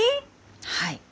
はい。